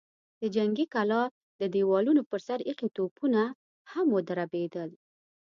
د جنګي کلا د دېوالونو پر سر ايښي توپونه هم ودربېدل.